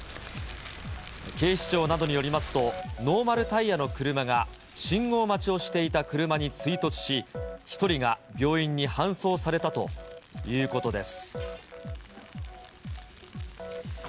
警視庁などによりますと、ノーマルタイヤの車が信号待ちをしていた車に追突し、１人が病院に搬送されたということです。